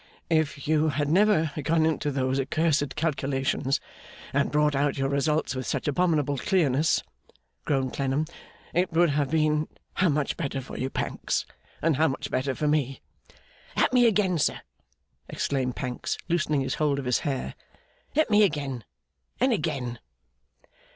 'If you had never gone into those accursed calculations, and brought out your results with such abominable clearness,' groaned Clennam, 'it would have been how much better for you, Pancks, and how much better for me!' 'At me again, sir!' exclaimed Pancks, loosening his hold of his hair; 'at me again, and again!